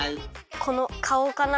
このかおかな。